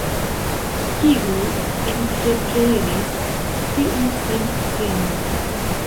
Kiu entreprenis, tiu sin tenu.